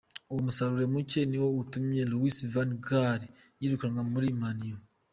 Uwo musaruro mucye niwo utumye Louis Van Gaal yirukanwa muri Man United.